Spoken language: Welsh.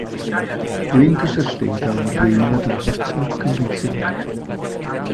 Dwi'n cysylltu i gael arweiniad ar fater cyfreithiol